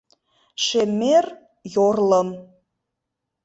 Шемер йорлым